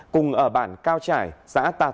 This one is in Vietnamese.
cùng ở bản cao trải giã tạt